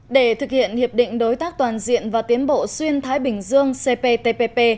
để thực hiện hiệp định đối tác toàn diện và tiến bộ xuyên thái bình dương cptpp